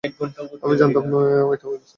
আমি জানতাম না ওটা উইল ছিলো।